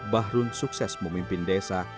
bahru sukses memimpin desa